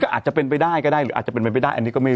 อาจจะเป็นไปได้ก็ได้หรืออาจจะเป็นไปไม่ได้อันนี้ก็ไม่รู้